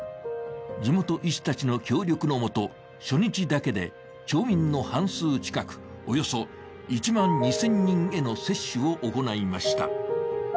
地元医師たちの協力のもと、初日だけで町民の半数近く、およそ１万２０００人への接種を行いました。